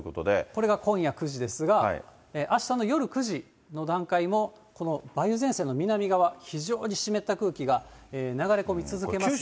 これが今夜９時ですが、あしたの夜９時の段階も、この梅雨前線の南側、非常に湿った空気が流れ込み続けます。